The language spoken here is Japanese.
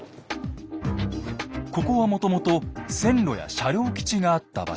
ここはもともと線路や車両基地があった場所。